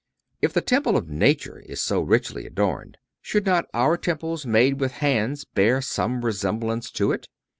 If the temple of nature is so richly adorned, should not our temples made with hands bear some resemblance to it?